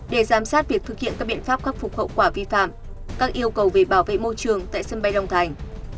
để giám sát việc thực hiện các biện pháp khắc phục hậu quả vi phạm các yêu cầu về bảo vệ môi trường tại sân bay long thành